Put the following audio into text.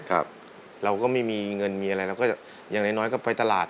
เราก็ไม่มีเงินมีอะไรเราก็จะอย่างน้อยน้อยก็ไปตลาด